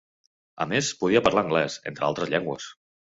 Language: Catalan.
A més, podia parlar anglès, entre altres llengües.